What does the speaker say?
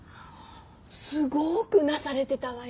すごくうなされてたわよ。